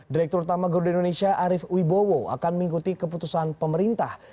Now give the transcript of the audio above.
direktur utama garuda indonesia arief wibowo akan mengikuti keputusan pemerintah